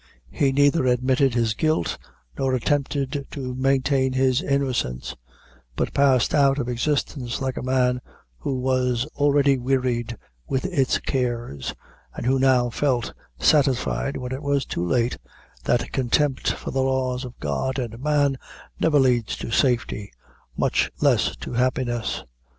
He neither admitted his guilt, nor attempted to maintain his innocence, but passed out of existence like a man who was already wearied with its cares, and who now felt satisfied, when it was too late, that contempt for the laws of God and man, never leads to safety, much loss to happiness.